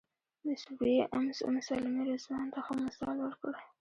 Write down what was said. د سوریې ام سلمې رضوان ته ښه مثال ورکړ.